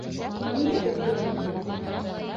Миңә төрттөрҙөңмө?